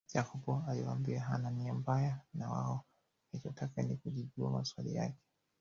Jacob aliwaambia hana nia mbaya na wao alichotaka ni kujibiwa maswali yake